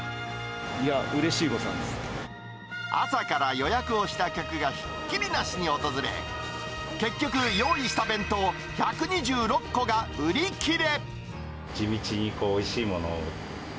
いや、朝から予約をした客がひっきりなしに訪れ、結局、用意した弁当１２６個が売り切れ。